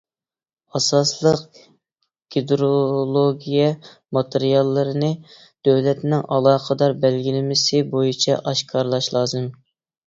ئاساسلىق گىدرولوگىيە ماتېرىياللىرىنى دۆلەتنىڭ ئالاقىدار بەلگىلىمىسى بويىچە ئاشكارىلاش لازىم.